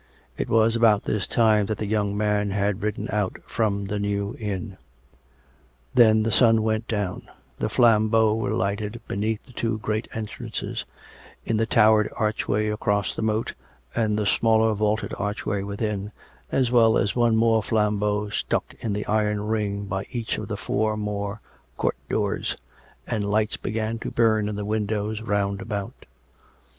It was about this time that the young man had ridden out from the New Inn. Then the sun went down; the flambeaux were lighted beneath the two great entrances — in the towered archway across the moat, and the smaller vaulted archway within, as well as one more flambeau stuck into the iron ring by each of the four more court doors, and lights began to burn in the windows round about.